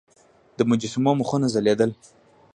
د مجسمو مخونه ځلیدل